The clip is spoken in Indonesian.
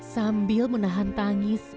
sambil menahan tangis